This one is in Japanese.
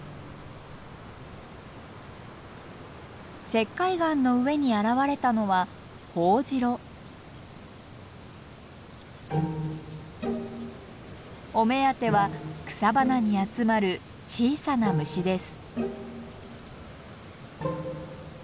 石灰岩の上に現れたのはお目当ては草花に集まる小さな虫です。